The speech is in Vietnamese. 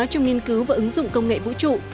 trong nghiên cứu và ứng dụng công nghệ vũ trụ